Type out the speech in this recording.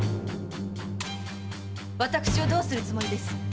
私をどうするつもりです？